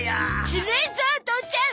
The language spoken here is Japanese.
ずるいゾ父ちゃん！